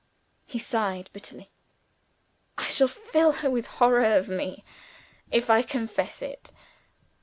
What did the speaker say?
He sighed bitterly. "I shall fill her with horror of me, if I confess it.